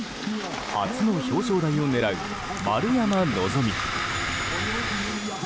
初の表彰台を狙う、丸山希。